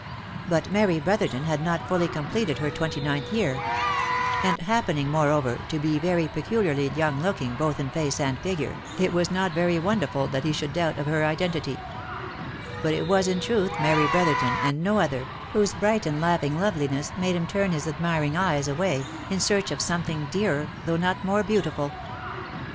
But Mary Brotherton had not fully completed her twenty ninth year ; and happening, moreover, to be very peculiarly young looking both in face and figure, it was not very wonderful that he should doubt of her identity ; for it was in truth Mary Brotherton, and no other, whose bright and laughing loveliness made him turn his admiring eyes away, in search of something dearer, though not more beautiful.